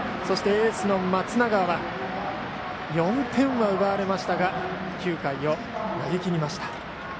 そしてエースの松永は４点を奪われましたが９回を投げきりました。